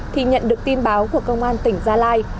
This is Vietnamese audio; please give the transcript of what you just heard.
thì nhận được tin báo của công an tỉnh gia lai